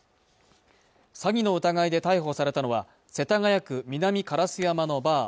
詐欺の疑いで逮捕されたのは世田谷区南烏山のバー